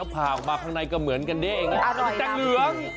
ผ่าออกมาข้างในก็เหมือนกันเด้เองแต่เหลือง